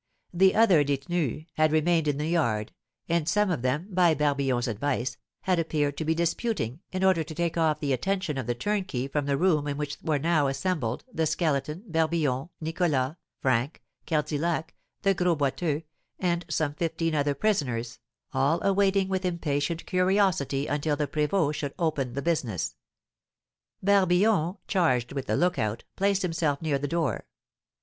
The other détenus had remained in the yard, and some of them, by Barbillon's advice, had appeared to be disputing, in order to take off the attention of the turnkey from the room in which were now assembled the Skeleton, Barbillon, Nicholas, Frank, Cardillac, the Gros Boiteux, and some fifteen other prisoners, all awaiting with impatient curiosity until the prévôt should open the business. Barbillon, charged with the look out, placed himself near the door.